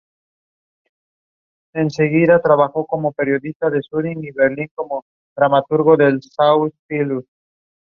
La cadena emite programas en el ámbito del actual, de entretenimiento, docu-shows y reality.